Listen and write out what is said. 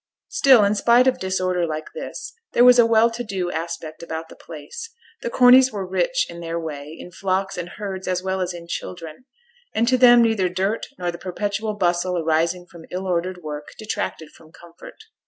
Still, in spite of disorder like this, there was a well to do aspect about the place; the Corneys were rich in their way, in flocks and herds as well as in children; and to them neither dirt nor the perpetual bustle arising from ill ordered work detracted from comfort.